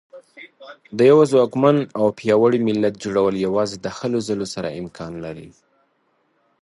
د یوه ځواکمن او پیاوړي ملت جوړول یوازې د هلو ځلو سره امکان لري.